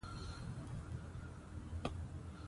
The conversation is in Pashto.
ازادي راډیو د سوله د اړونده قوانینو په اړه معلومات ورکړي.